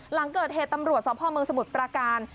หลังเกิดเทตธรรมรวชสอบภ่อเมืองสมุทรประการ